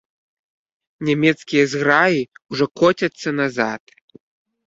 Нямецкія зграі ўжо коцяцца назад.